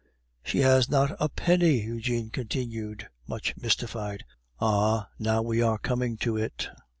"She has not a penny," Eugene continued, much mystified. "Ah! now we are coming to it!